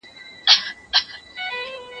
ګوښه پروت وو د مېږیانو له آزاره